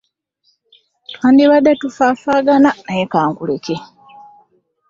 Twandibadde tufaafaagana naye ka nkuleke.